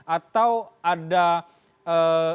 atau ada skema skema lainnya